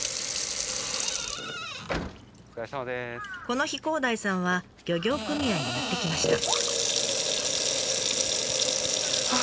この日広大さんは漁業組合にやって来ました。